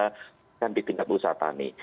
juga kan di tingkat usaha tani